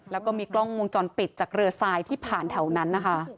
แล้วก็มีกล้องวงจรปิดจากเรือทรายที่ผ่านแถวนั้นนะคะ